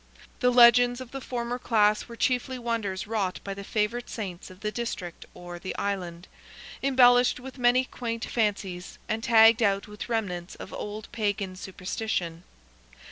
The legends of the former class were chiefly wonders wrought by the favourite Saints of the district or the island, embellished with many quaint fancies and tagged out with remnants of old Pagan superstition.